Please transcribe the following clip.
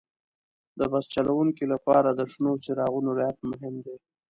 د بس چلوونکي لپاره د شنو څراغونو رعایت مهم دی.